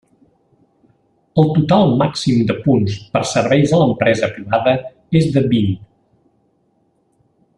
El total màxim de punts per serveis a l'empresa privada és de vint.